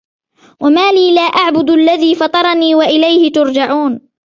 وَمَا لِيَ لَا أَعْبُدُ الَّذِي فَطَرَنِي وَإِلَيْهِ تُرْجَعُونَ